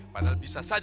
padahal bisa saja bu haji